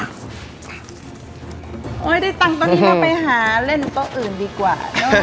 ได้ตังค์ตอนนี้ก็ไปหาเล่นโต๊ะอื่นดีกว่า